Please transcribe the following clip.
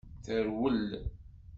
Terwel.